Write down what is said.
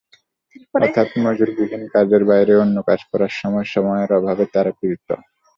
অর্থাৎ মজুরিবিহীন কাজের বাইরে অন্য কাজ করার সময়ের অভাবে তাঁরা পীড়িত।